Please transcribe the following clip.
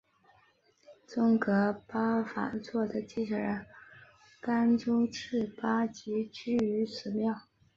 宗喀巴法座的继承人甘丹赤巴即居于此寺。